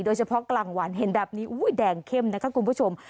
โดยเฉพาะกลางวันเห็นแบบนี้แดงเข้มนะคะคุณผู้ชม